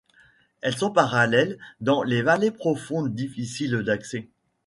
Elles sont parallèles dans les vallées profondes difficiles d'accès.